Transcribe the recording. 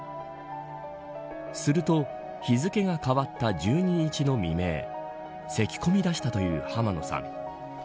すると日付が変わった１２日の未明せき込みだしたという濱野さん。